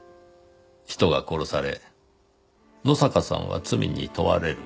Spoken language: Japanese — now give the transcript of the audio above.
人が殺され野坂さんは罪に問われる。